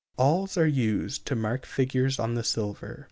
Awls are used to mark figures on the silver.